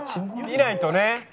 「見ないとね」